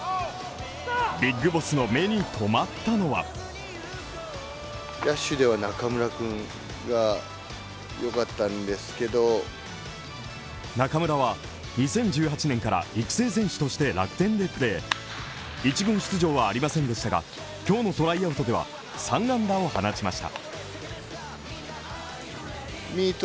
ビッグボスの目に留まったのは中村は２０１８年から育成選手として楽天でプレー１軍出場はありませんでしたが、今日のトライアウトでは３安打を放ちました。